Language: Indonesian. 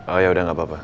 oh yaudah gak apa apa